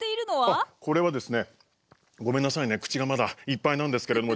あこれはですねごめんなさいね口がまだいっぱいなんですけれども。